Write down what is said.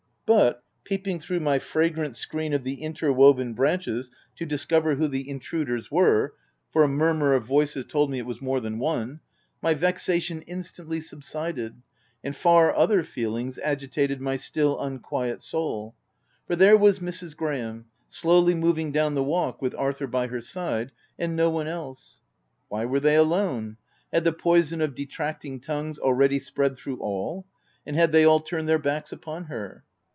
But peeping through my fragrant skreen of interwoven branches to discover who the intru ders were, (for a murmur of voices told me it was more than one,) my vexation instantly sub sided, and far other feelings agitated my still unquiet soul; for there was Mrs. Graham, slowly moving down the walk with Arthur by i6fc THE TENANT her side, and no one else. Why were they alone ? Had the poison of detracting tongues already spread through all ; and had they ail turned their backs upon her?